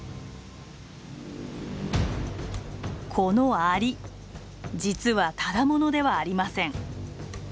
このアリ実はただものではありません。